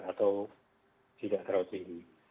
atau tidak terhubung